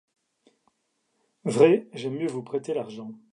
Vrai, j'aime mieux vous prêter l'argent.